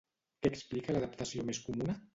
Què explica l'adaptació més comuna?